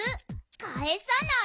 かえさない？